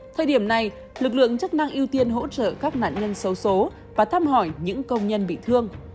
thời điểm này lực lượng chức năng ưu tiên hỗ trợ các nạn nhân xấu xố và thăm hỏi những công nhân bị thương